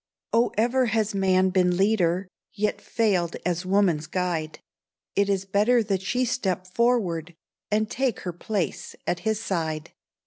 Oh, ever has man been leader, Yet failed as woman's guide. It is better that she step forward, And take her place at his side.